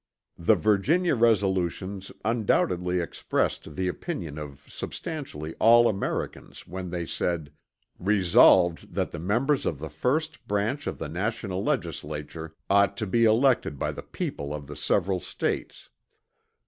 The Virginia resolutions undoubtedly expressed the opinion of substantially all Americans when they said, "Resolved that the members of the first branch of the national legislature ought to be elected by the people of the several States."